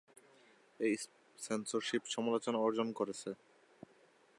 এই সেন্সরশিপ সমালোচনা অর্জন করেছে।